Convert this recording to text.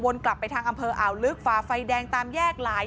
กลับไปทางอำเภออ่าวลึกฝ่าไฟแดงตามแยกหลาย